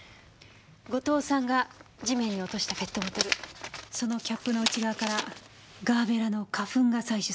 後藤さんが地面に落としたペットボトルそのキャップの内側からガーベラの花粉が採取されました。